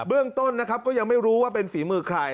เรื่องต้นนะครับก็ยังไม่รู้ว่าเป็นฝีมือใคร